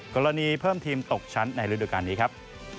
กรณีเพิ่มทีมตกชั้นในฤดูการนี้ครับ